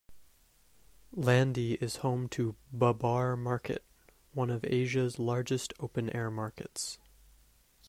Landhi is home to Babar Market, one of Asia's largest open air markets.